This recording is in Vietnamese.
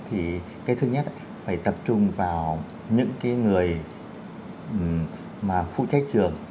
thì cái thứ nhất phải tập trung vào những cái người mà phụ trách trường